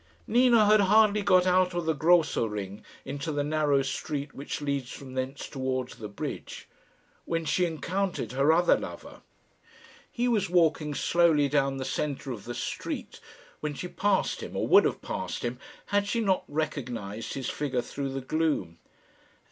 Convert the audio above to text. Nina had hardly got out of the Grosser Ring into the narrow street which leads from thence towards the bridge, when she encountered her other lover. He was walking slowly down the centre of the street when she passed him, or would have passed him, had not she recognized his figure through the gloom.